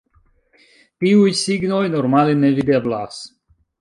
Tiuj signoj normale ne videblas.